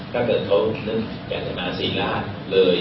ถ้าเกิดโทษนึงอยากจะมา๔ล้านเลย